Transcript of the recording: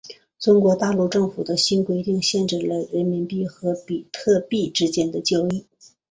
中国大陆政府的新规定限制了人民币和比特币之间的交易。